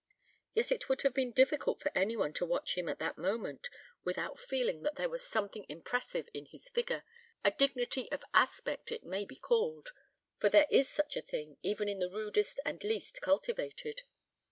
Yet it would have been difficult for any one to watch him at that moment without feeling that there was a something impressive in his figure, a dignity of aspect it may be called, for there is such a thing even in the rudest and least cultivated.